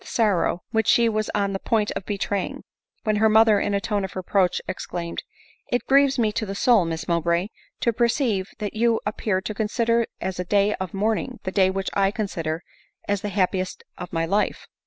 61 the sorrow which she was on the point of betraying, when her mother in a tone of reproach exclaimed, " It grieves me to the soul, Miss Mowbray, to perceive that you ap pear to consider as a day of mourning the day which I consider as the happiest of ray life.